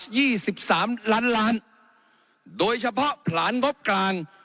สิบสามล้านล้านโดยเฉพาะผลานงบกลาง